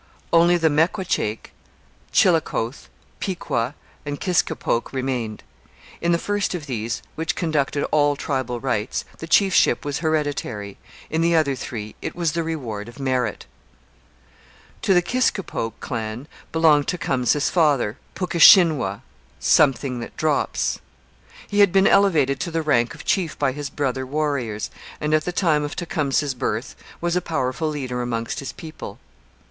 Only the Mequachake, Chillicothe, Piqua, and Kiscopoke remained. In the first of these, which conducted all tribal rites, the chiefship was hereditary; in the other three it was the reward of merit. To the Kiscopoke clan belonged Tecumseh's father, Puckeshinwau ('something that drops'). He had been elevated to the rank of chief by his brother warriors, and at the time of Tecumseh's birth was a powerful leader among his people.